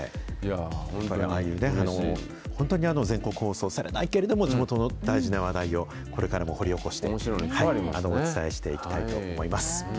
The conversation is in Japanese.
ああいうね、本当に全国放送されないけれども、地元の大事な話題を、これからも掘り起こしてお伝えしていきたいと思います。